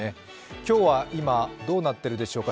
今日は今、どうなっているでしょうか。